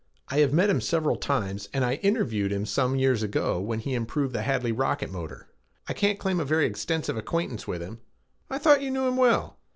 "I have met him several times and I interviewed him some years ago when he improved the Hadley rocket motor. I can't claim a very extensive acquaintance with him." "I thought you knew him well.